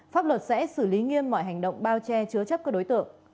pháp luật sẽ xử lý nghiêm mọi hành động bao che chứa chấp các đối tượng